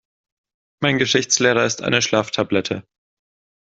Mein Geschichtslehrer ist eine Schlaftablette.